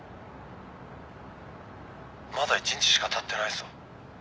まだ１日しかたってないぞ。